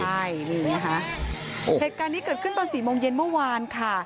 ใช่นี่นะคะเหตุการณ์นี้เกิดขึ้นตอน๔โมงเย็นเมื่อวานค่ะ